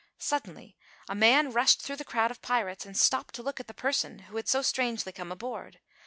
Suddenly a man rushed through the crowd of pirates and stooped to look at the person who had so strangely come aboard.